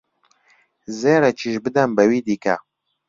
زێڕێکیش بدەن بەوی دیکە